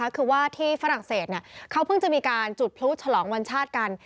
คือว่าที่ฝรั่งเศสเขาเพิ่งจะมีการจุดพลุฉลองวันชาติกัน